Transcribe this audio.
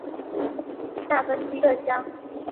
下分七个乡。